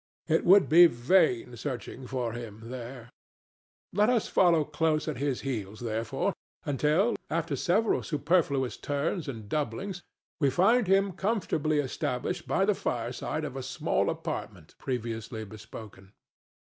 It would be vain searching for him there. Let us follow close at his heels, therefore, until, after several superfluous turns and doublings, we find him comfortably established by the fireside of a small apartment previously bespoken.